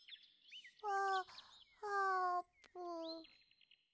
ああーぷん。